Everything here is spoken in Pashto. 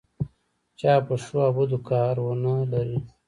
چا په ښو او بدو کار ونه لري.